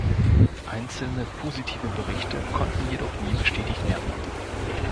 Einzelne positive Berichte konnten jedoch nie bestätigt werden.